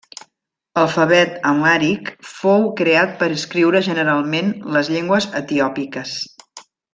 Alfabet amhàric fou creat per escriure generalment les llengües etiòpiques.